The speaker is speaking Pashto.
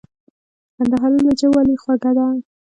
کندهارۍ لهجه ولي خوږه ده ؟